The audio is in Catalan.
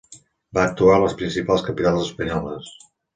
Va actuar a les principals capitals espanyoles.